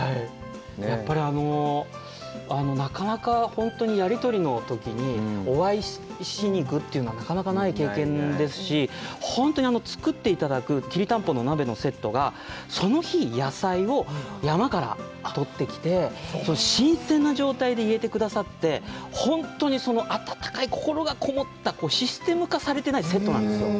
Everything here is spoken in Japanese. やっぱりなかなか、やり取りのときにお会いしに行くというのはなかなかない経験ですし、本当に作っていただく、きりたんぽの鍋のセットがその日、野菜を山から取ってきて、新鮮な状態で入れてくださって、本当に温かい心がこもったシステム化されてないセットなんですよ。